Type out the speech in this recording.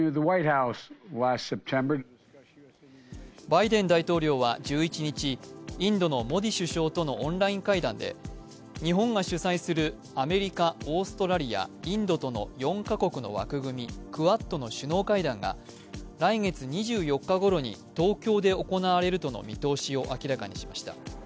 バイデン大統領は１１日、インドのモディ首相とのオンライン会談で日本が主催するアメリカ、オーストラリア、インドとの４カ国の枠組み、クアッドの首脳会談が来月２４日ごろに東京で行われるとの見通しを明らかにしました。